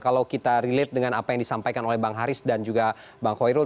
kalau kita relate dengan apa yang disampaikan oleh bang haris dan juga bang khoirul